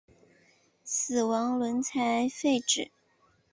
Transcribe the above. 死亡轮才废止。